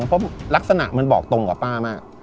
เพราะลักษณะมันบอกตรงกับป้ามาก